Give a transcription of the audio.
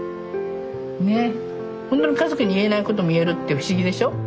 ほんとに家族に言えないことも言えるって不思議でしょ？